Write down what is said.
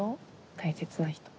大切な人。